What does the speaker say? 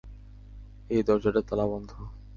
এই দরজাটা তালা বন্ধ।